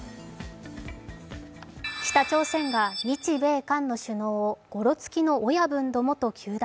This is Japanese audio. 北朝鮮が日米韓の首脳をごろつきの親分どもと糾弾。